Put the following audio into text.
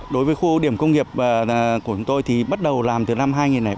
đối với khu điểm công nghiệp của chúng tôi thì bắt đầu làm từ năm hai nghìn ba